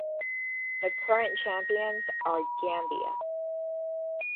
The current champions are Gambia.